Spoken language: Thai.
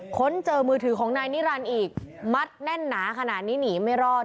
ค้นเจอมือถือของนายนิรันดิ์อีกมัดแน่นหนาขนาดนี้หนีไม่รอด